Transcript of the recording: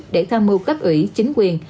để tham mưu các ủy chính quyền